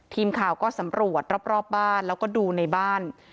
ทีมข่าวก็สำรวจรอบบ้านแล้วก็ดูในบ้าน